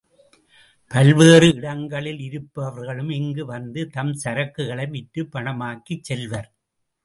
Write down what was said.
பல்வேறு இடங்களில் இருப்பவர்களும் இங்கு வந்து தம் சரக்குகளை விற்றுப் பணமாக்கிச் செல்வர்.